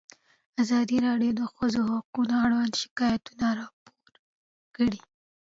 ازادي راډیو د د ښځو حقونه اړوند شکایتونه راپور کړي.